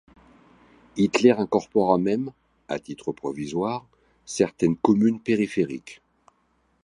Hitler incorpora même, à titre provisoire, certaines communes périphériques.